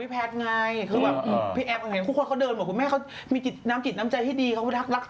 พี่แอบเห็นทุกคนเขาเดินหมดแม่เขามีน้ำจิตน้ำใจที่ดีเขาไปทักรักกัน